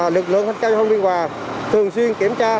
lực lượng thanh tra giao thông biên hòa thường xuyên kiểm tra